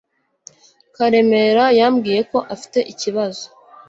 Karemera yambwiye ko afite ikibazo.